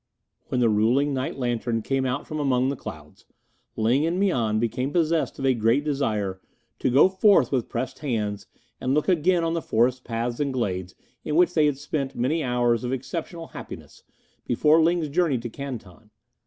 When the ruling night lantern came out from among the clouds, Ling and Mian became possessed of a great desire to go forth with pressed hands and look again on the forest paths and glades in which they had spent many hours of exceptional happiness before Ling's journey to Canton.